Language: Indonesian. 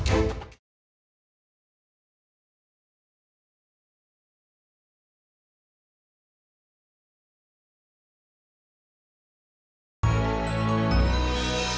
lo ngamper disini